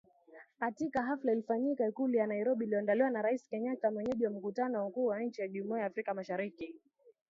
Katika hafla iliyofanyika Ikulu ya Nairobi iliyoandaliwa na Rais Kenyatta mwenyeji wa mkutano wa wakuu wa nchi za Jumuiya ya Afrika Mashiriki.